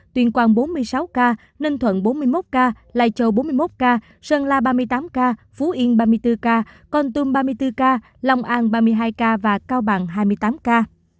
tuyên quang bốn mươi sáu ca ninh thuận bốn mươi một ca lai châu bốn mươi một ca sơn la ba mươi tám ca phú yên ba mươi bốn ca con tum ba mươi bốn ca long an ba mươi hai ca và cao bằng hai mươi tám ca